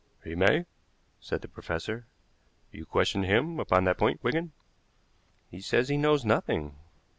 "He may," said the professor. "You questioned him upon that point, Wigan?" "He says he knows nothing."